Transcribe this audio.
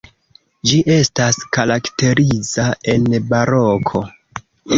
Ĝi estas karakteriza en baroko.